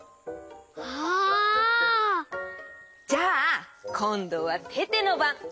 あ！じゃあこんどはテテのばん！